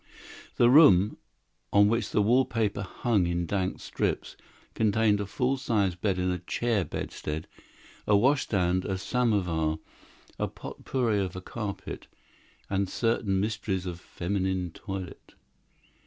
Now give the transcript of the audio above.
The room, on which the wallpaper hung in dank strips, contained a full sized bed and a chair bedstead, a washstand, a samovar, a potpourri of a carpet, and certain mysteries of feminine toilet.